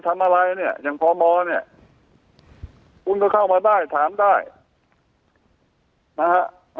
ทำอะไรเนี่ยอย่างพมเนี่ยคุณก็เข้ามาได้ถามได้นะฮะ